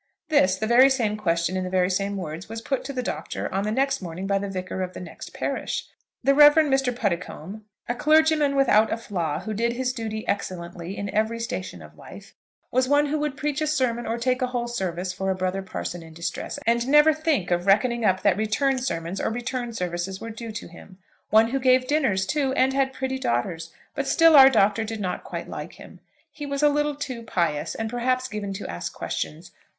This, the very same question in the very same words, was put to the Doctor on the next morning by the vicar of the next parish. The Rev. Mr. Puddicombe, a clergyman without a flaw who did his duty excellently in every station of life, was one who would preach a sermon or take a whole service for a brother parson in distress, and never think of reckoning up that return sermons or return services were due to him, one who gave dinners, too, and had pretty daughters; but still our Doctor did not quite like him. He was a little too pious, and perhaps given to ask questions.